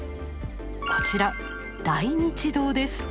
こちら大日堂です。